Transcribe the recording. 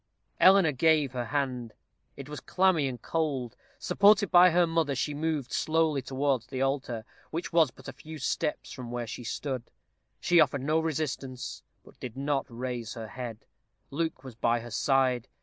Eleanor gave her hand. It was clammy and cold. Supported by her mother, she moved slowly towards the altar, which was but a few steps from where they stood. She offered no resistance, but did not raise her head. Luke was by her side.